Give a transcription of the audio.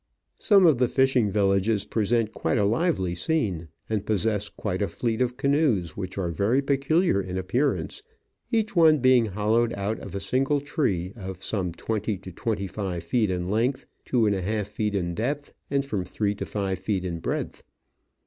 Some of the fishing villages present quite a lively scene, and possess quite a fleet of canoes, which are very peculiar in appearance, each one being hollowed out of a single tree, of from twenty to twenty five feet in length, two and a half feet in depth, and from three to five feet in breadth.